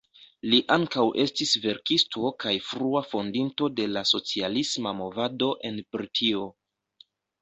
Li ankaŭ estis verkisto kaj frua fondinto de la socialisma movado en Britio.